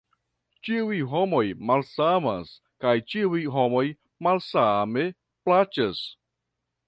Ĉiuj homoj malsamas, kaj ĉiuj homoj malsame plaĉas.